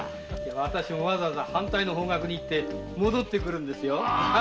私もわざわざ反対の方角に行って戻ってくるんですよ。